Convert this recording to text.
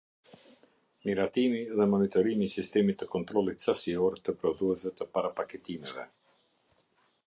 Miratimi dhe monitorimi i sistemit të kontrollit sasior të prodhuesve të para-paketimeve.